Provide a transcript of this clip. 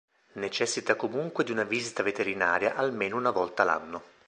Necessita comunque di una visita veterinaria almeno una volta l'anno.